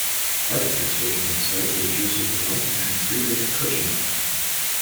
Architects working on site were Joseph Roth and Friedrich Kirchenmayer.